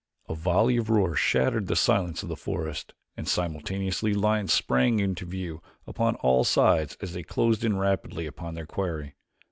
A volley of roars shattered the silence of the forest and simultaneously lions sprang into view upon all sides as they closed in rapidly upon their quarry.